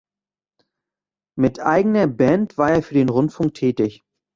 Mit eigener Band war er für den Rundfunk tätig.